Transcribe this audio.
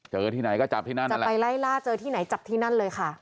แล้วเราก็ไม่อยากให้เขาเตรียมเท่านั้น